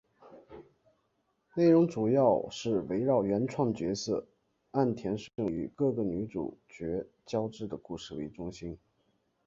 内容主要是围绕原创角色岸田瞬与各个女主角交织的故事为中心。